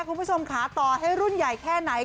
คุณผู้ชมค่ะต่อให้รุ่นใหญ่แค่ไหน